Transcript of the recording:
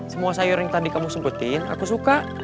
semua sayur yang tadi kamu sebutin aku suka